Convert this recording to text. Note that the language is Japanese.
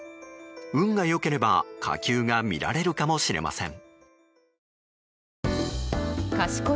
運が良ければ火球が見られるかもしれません。